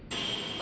あ。